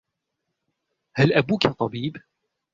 هل أبوك طبيب ؟